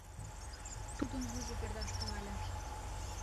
Тудын вуйжо пӧрдаш тӱҥале.